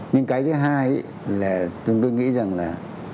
nhưng cái thứ hai là tôi nghĩ rằng là